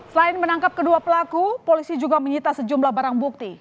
selain menangkap kedua pelaku polisi juga menyita sejumlah barang bukti